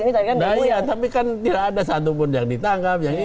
iya tapi kan tidak ada satupun yang ditangkap